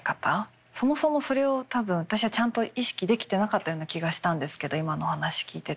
そもそもそれを多分私はちゃんと意識できてなかったような気がしたんですけど今の話聞いてて。